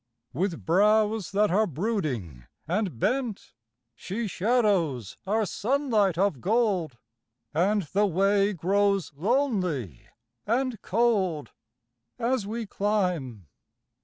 With brows that are brooding and bent She shadows our sunlight of gold, And the way grows lonely and cold As we climb.